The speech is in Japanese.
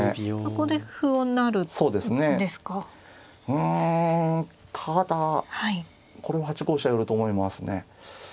うんただこれは８五飛車寄ると思いますね。